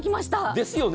ですよね。